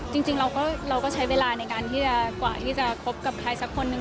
จริงเราก็ใช้เวลาในการที่จะกว่าที่จะคบกับใครสักคนนึง